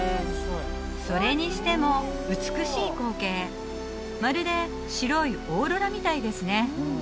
それにしても美しい光景まるで白いオーロラみたいですね